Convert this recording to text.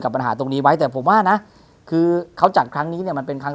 ปัญหาตรงนี้ไว้แต่ผมว่านะคือเขาจัดครั้งนี้เนี่ยมันเป็นครั้ง